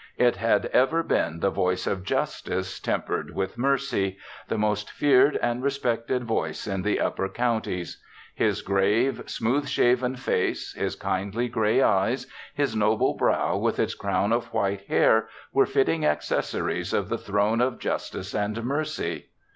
It had ever been the voice of Justice, tempered with Mercy the most feared and respected voice in the upper counties. His grave, smooth shaven face, his kindly gray eyes, his noble brow with its crown of white hair were fitting accessories of the throne of Justice and Mercy.